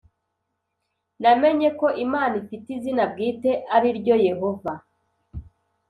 Namenye ko Imana ifite izina bwite ari ryo Yehova